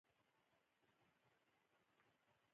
دوی سړکونه او بندرونه جوړ کړل.